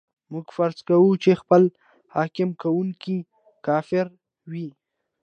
موږ فرض کوو چې خپله حکم کوونکی کافر وای.